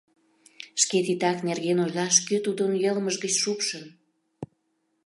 Шке титак нерген ойлаш кӧ тудым йылмыж гыч шупшын!